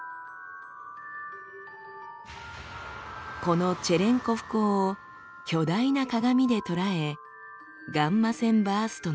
このチェレンコフ光を巨大な鏡で捉えガンマ線バーストの素顔に迫ります。